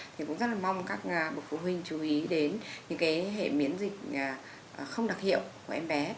thì cũng rất là mong các bậc phụ huynh chú ý đến những hệ miễn dịch không đặc hiệu của em bé